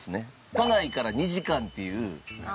都内から２時間っていう。